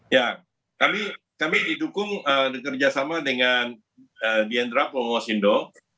ya kami didukung bekerjasama dengan diendra ponggosindo